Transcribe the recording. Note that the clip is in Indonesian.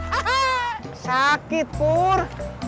haha sakit pur